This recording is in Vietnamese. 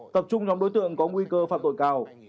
tập trung nhóm đối tượng có nguy cơ phạm tội cao